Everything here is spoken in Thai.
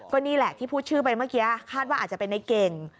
ก็นี่แหละที่พูดชื่อไปเมื่อกี้คาดว่าอาจจะเป็นในเก่ง